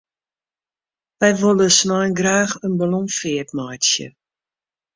Wy wolle snein graach in ballonfeart meitsje.